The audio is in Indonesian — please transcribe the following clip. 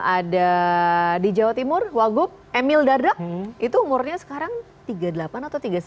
ada di jawa timur wagup emil dardak itu umurnya sekarang tiga puluh delapan atau tiga puluh sembilan